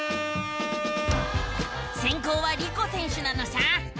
せんこうはリコ選手なのさ！